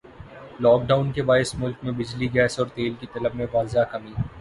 lock Dawn کے باعث ملک میں بجلی گیس اور تیل کی طلب میں واضح کمی